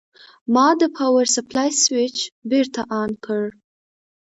ما د پاور سپلای سویچ بېرته آن کړ.